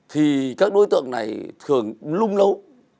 thì các đối tượng này thường lung lâu